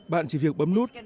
bạn chỉ việc bấm nút